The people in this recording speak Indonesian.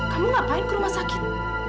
kamu ngapain ke rumah sakit